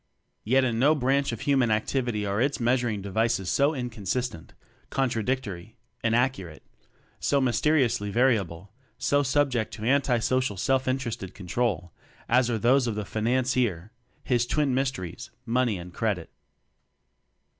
Yet in no branch of human activity are its measuring devices so incon sistent, contradictory, inaccurate; so mysteriously variable, so subject to anti social self interested control as are those of the Financier his twin mysteries, "Money" and "Credit."